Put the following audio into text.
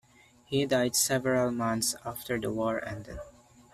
He died several months after the war ended.